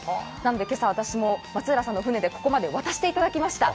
今朝、私も松浦さんの自宅まで渡していただきました。